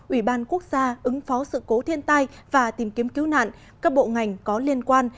ủy ban quốc gia ứng phó sự cố thiên tai và tìm kiếm cứu nạn các bộ ngành có liên quan